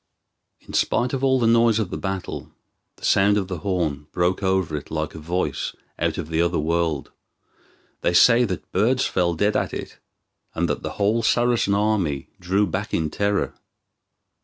In spite of all the noise of the battle, the sound of the horn broke over it like a voice out of the other world. They say that birds fell dead at it, and that the whole Saracen army drew back in terror.